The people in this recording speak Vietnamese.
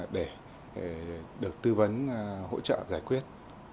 để được tư vấn hỗ trợ giải quyết